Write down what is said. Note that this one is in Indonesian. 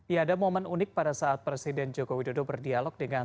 ya ada momen unik pada saat presiden joko widodo berdialog dengan